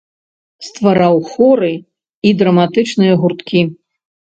Ствараў хоры і драматычныя гурткі.